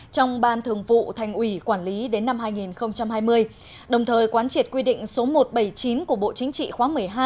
trong ban thường vụ thành ủy quản lý đến năm hai nghìn hai mươi đồng thời quán triệt quy định số một trăm bảy mươi chín của bộ chính trị khóa một mươi hai